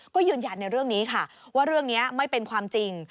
ก็ยืนยันในเรื่องนี้ค่ะว่าเรื่องนี้ไม่เป็นความจริง